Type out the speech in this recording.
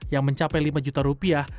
yang mencapai lima juta rupiah